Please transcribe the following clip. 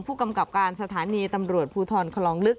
ผู้กำกับการสถานีตำรวจภูทรคลองลึก